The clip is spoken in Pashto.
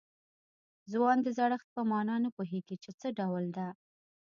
ځوان د زړښت په معنا نه پوهېږي چې څه ډول ده.